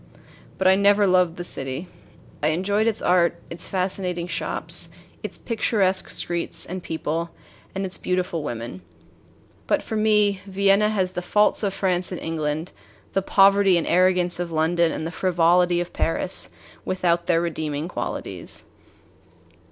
But I never loved the city. I enjoyed its art, its fascinating shops, its picturesque streets and people, and its beautiful women. But for me Vienna has the faults of France and England, the poverty and arrogance of London, and the frivolity of Paris, without their redeeming qualities.